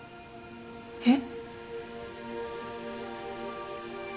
えっ？